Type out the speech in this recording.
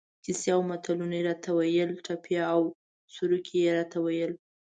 کیسې او متلونه یې را ته ویل، ټپې او سروکي یې را ته ویل.